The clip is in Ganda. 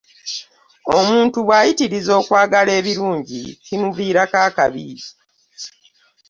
Omuntu bwayitiriza okwagala ebirungi kimuviirako akabi .